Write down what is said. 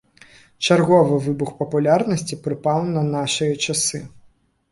Чарговы выбух папулярнасці прыпаў на нашыя часы.